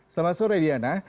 selamat sore diana